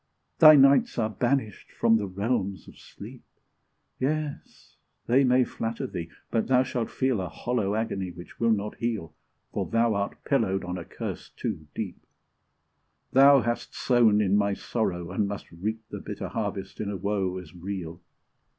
Thy nights are banished from the realms of sleep: Yes! they may flatter thee, but thou shall feel A hollow agony which will not heal, For thou art pillowed on a curse too deep; Thou hast sown in my sorrow, and must reap The bitter harvest in a woe as real!